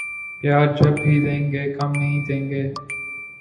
پیار جب بھی دینگے کم نہیں دینگے